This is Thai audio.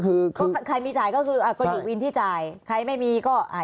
คือก็ใครมีจ่ายก็คืออ่ะก็อยู่วินที่จ่ายใครไม่มีก็อ่า